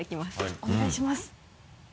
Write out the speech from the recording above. お願いします。